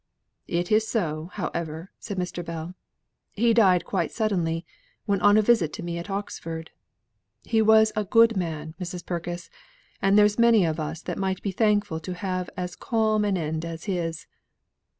"It is so, however," said Mr. Bell. "He died quite suddenly, when on a visit to me at Oxford. He was a good man, Mrs. Purkis, and there's many of us that might be thankful to have as calm an end as his.